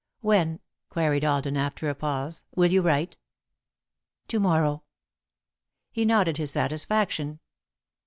"When," queried Alden, after a pause, "will you write?" "To morrow." He nodded his satisfaction.